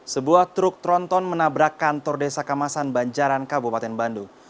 sebuah truk tronton menabrak kantor desa kamasan banjaran kabupaten bandung